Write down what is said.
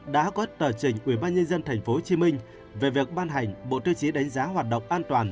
đã có tờ trình ubnd tp hcm về việc ban hành bộ tiêu chí đánh giá hoạt động an toàn